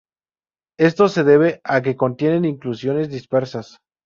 Esto se debe a que contienen inclusiones dispersas.